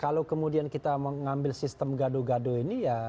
kalau kemudian kita mengambil sistem gado gado ini ya